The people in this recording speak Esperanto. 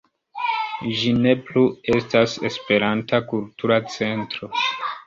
Ĝi ne plu estas "Esperanta Kultura Centro".